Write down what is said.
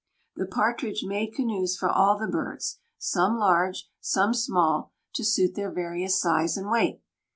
The Partridge made canoes for all the birds, some large, some small, to suit their various size and weight.